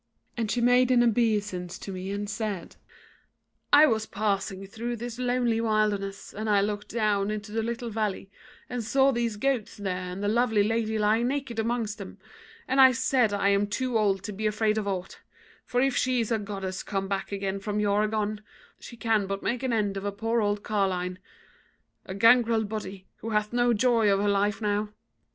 And she made an obeisance to me and said: 'I was passing through this lonely wilderness and I looked down into the little valley and saw these goats there and the lovely lady lying naked amongst them, and I said I am too old to be afraid of aught; for if she be a goddess come back again from yore agone, she can but make an end of a poor old carline, a gangrel body, who hath no joy of her life now.